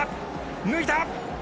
抜いた。